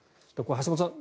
橋本さん